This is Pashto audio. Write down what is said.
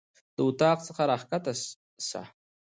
د اطاق څخه راکښته سه.